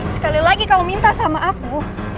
sekali lagi kau minta sama aku